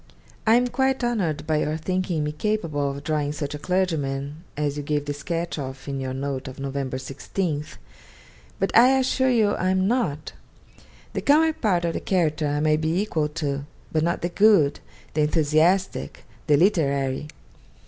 I am quite honoured by your thinking me capable of drawing such a clergyman as you gave the sketch of in your note of Nov. 16th. But I assure you I am not. The comic part of the character I might be equal to, but not the good, the enthusiastic, the literary.